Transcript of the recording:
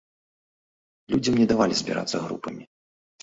Людзям не давалі збірацца групамі.